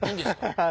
はい。